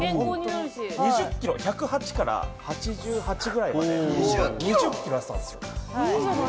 １０８から８８くらいまで２０キロやせたんですよ。